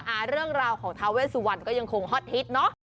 เรื่องราวของทาเวสวันก็ยังคงฮอตฮิตเนอะ